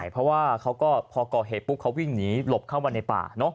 เพราะว่าเขาก็พอก่อเหตุปุ๊บเขาวิ่งหนีหลบเข้ามาในป่า